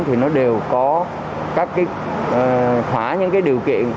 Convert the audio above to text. thì nó đều có các cái thỏa những cái điều kiện